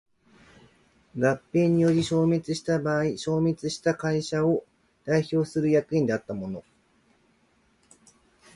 合併により消滅した場合消滅した会社を代表する役員であった者